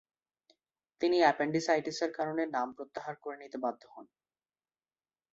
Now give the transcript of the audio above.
তিনি অ্যাপেন্ডিসাইটিসের কারণে নাম প্রত্যাহার করে নিতে বাধ্য হন।